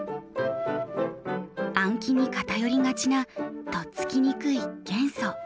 暗記に偏りがちなとっつきにくい元素。